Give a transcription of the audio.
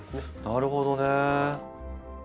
なるほどね。